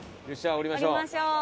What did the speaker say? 降りましょう。